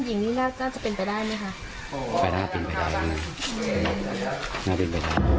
กลับจริง